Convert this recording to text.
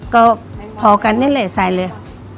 ก็พอกันนี่แหละใส่เลย